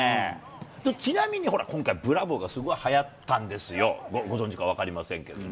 ちなみにほら、今回、ブラボーがすごいはやったんですよ、ご存じか分かりませんけどね。